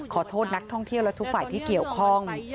ขอโทษนักท่องเที่ยวและทุกฝ่ายที่เกี่ยวข้อง